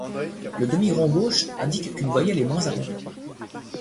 Le demi-rond gauche, indique qu’une voyelle est moins arrondie.